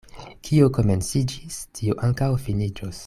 Kio komenciĝis, tio ankaŭ finiĝos.